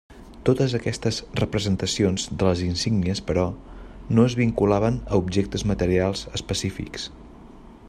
Totes aquestes representacions de les insígnies però, no es vinculaven a objectes materials específics.